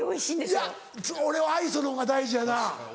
いや俺は愛想のほうが大事やな。